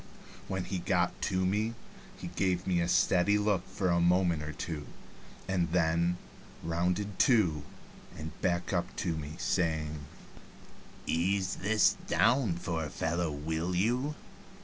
When he got to me he gave me a steady look for a moment or two, and then rounded to and backed up to me, saying: "Ease this down for a fellow, will you?"